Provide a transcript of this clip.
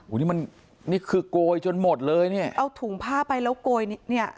นี่มันนี่คือโกยจนหมดเลยเนี่ยเอาถุงผ้าไปแล้วโกยเนี่ย